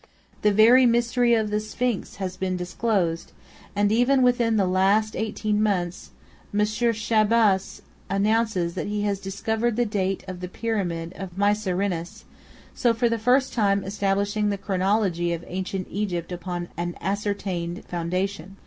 The very mystery of the Sphinx has been disclosed; and even within the last eighteen months, M. Chabas announces that he has discovered the date of the pyramid of Mycerinus; so for the first time establishing the chronology of ancient Egypt upon an ascertained foundation.